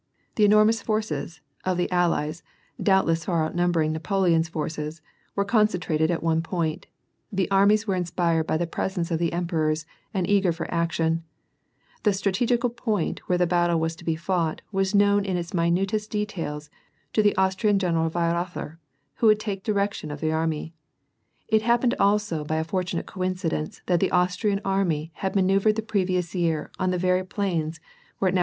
The enormous forces, of the allies, doubtless far outnumbering Napoleon's forces, were concentrated at one point ; the armies were inspired by the presence of the emperors, and eager for action ; the ^< strat egical point " where the battle was to be fought, was known in its minutest details, to the Austrian General Weirother who would take the direction of the army ; it happened also, by a fortunate coincidence, that the Austrian army had ma iKBuvred the previous year on these very plans where now it 304 VP^AR AND PEACE.